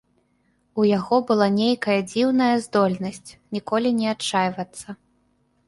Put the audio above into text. У яго была нейкая дзіўная здольнасць ніколі не адчайвацца.